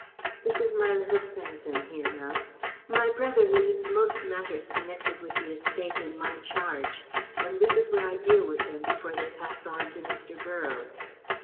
"This is my little sanctum," he announced. "My brother leaves most matters connected with the estate in my charge, and this is where I deal with them before they pass on to Mr. Borroughes."